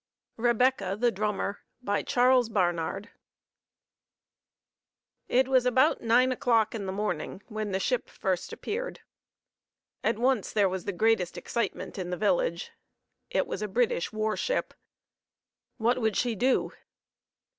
REBECCA THE DRUMMER By Charles Barnard It was about nine o'clock in the morning when the ship first appeared. At once there was the greatest excitement in the village. It was a British warship. What would she do?